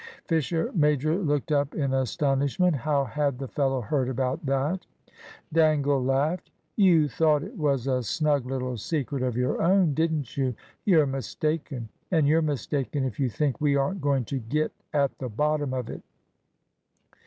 Fisher major looked up in astonishment. How had the fellow heard about that? Dangle laughed. "You thought it was a snug little secret of your own, didn't you? You're mistaken. And you're mistaken if you think we aren't going to get at the bottom of it."